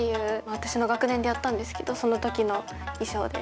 私の学年でやったんですけどその時の衣装で。